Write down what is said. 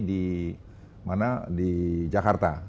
di mana di jakarta